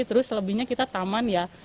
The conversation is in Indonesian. terus selebihnya kita taman ya